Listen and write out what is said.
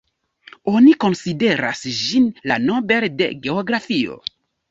Oni konsideras ĝin la Nobel de geografio.